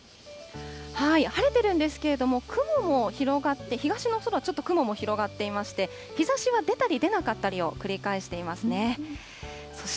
晴れてるんですけれども、雲も広がって、東の空、ちょっと雲も広がっていまして、日ざしは出たり出なかったりを繰り返していますね。